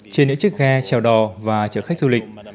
trên những chiếc ghe trèo đò và chở khách du lịch